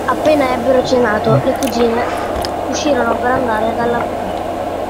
Appena ebbero cenato, le cugine uscirono per andare dall'avvocato.